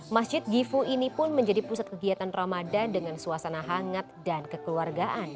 masjid gifu ini pun menjadi pusat kegiatan ramadan dengan suasana hangat dan kekeluargaan